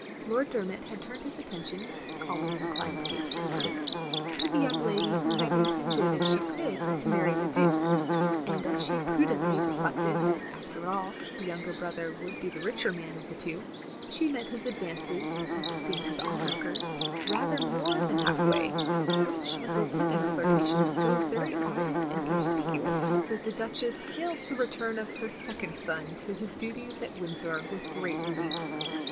Lord Dermot had turned his attentions (always inclined to be exclusive) to the young lady who had intended if she could to marry the Duke ; and as she prudently reflected that after all, the younger brother would be the richer man of the two, she met his advances, as it seemed to the onlookers, rather more than half way; which resulted in a flirtation so very ardent and conspic uous that the Duchess hailed the return of her sec ond son to his duties at Windsor with great relief.